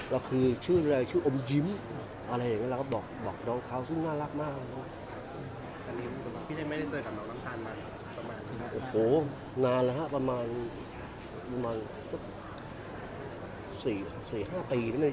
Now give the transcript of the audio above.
เราคือชื่ออะไรชื่ออมยิ้มอะไรอย่างนี้